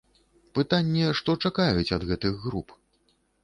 Пытанне, што чакаюць ад гэтых груп?